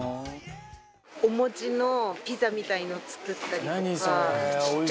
お餅のピザみたいなのを作ったりとか。